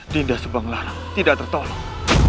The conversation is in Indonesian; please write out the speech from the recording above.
dinda subanglarang tidak tertolong